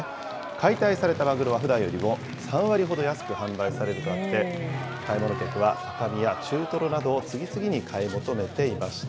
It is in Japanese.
解体されたマグロは、ふだんよりも３割ほど安く販売されるとあって、買い物客は赤身や中トロなどを次々に買い求めていました。